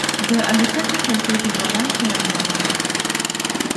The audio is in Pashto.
د الوتکې کړکۍ په باران کې لنده وه.